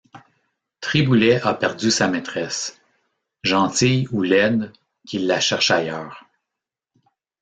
Triboulet a perdu sa maîtresse! — gentille Ou laide, qu’il la cherche ailleurs.